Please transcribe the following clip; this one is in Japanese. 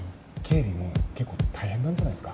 警備も結構大変なんじゃないっすか？